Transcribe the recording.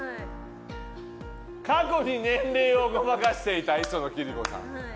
過去に年齢をごまかしていた磯野貴理子さん。